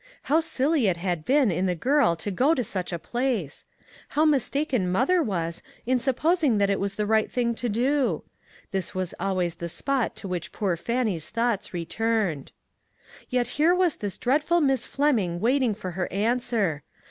How silly it had been in the girl to go to such a place ! How mistaken mother was in supposing that it was the right thing to do. This was always the spot to which poor Fannie's thoughts returned. Yet here was this dreadful Miss Flem ing waiting for her answer.